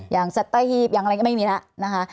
อย่างสัตว์ใต้ฮีฟอย่างไรก็ไม่มีแล้ว